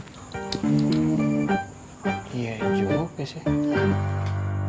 iya juga sih